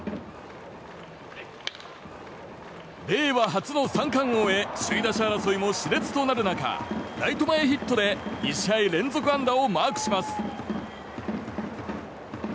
令和初の三冠王へ首位打者争いも熾烈となる中、ライト前ヒットで２試合連続安打をマークします。